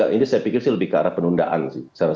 ini saya pikir sih lebih ke arah penundaan sih